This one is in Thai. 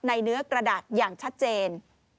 เนื้อกระดาษอย่างชัดเจน